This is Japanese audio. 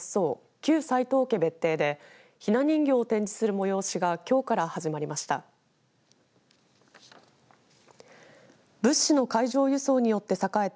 旧齋藤家別邸でひな人形を展示する催しがきょうから始まりました。